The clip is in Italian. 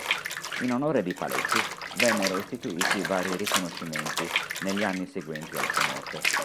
In onore di Paletti vennero istituiti vari riconoscimenti negli anni seguenti alla sua morte.